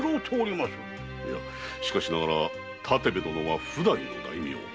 しかしながら建部殿は譜代の大名。